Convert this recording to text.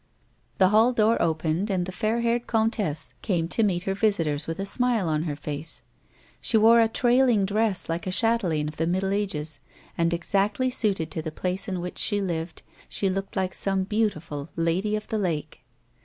The hall door opened and the fair haired comtesse came to meet her visitors with a smile on her face. She wore a trailing dress like a chS,telaine of the middle ages, and, exactly suited to the place in which she lived, she looked like some beautiful Lady of the Lake.